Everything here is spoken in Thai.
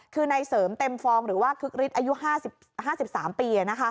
คือในเสริมเต็มฟองหรือว่าคึกฤทธิอายุ๕๓ปี